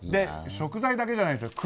食材だけじゃないです。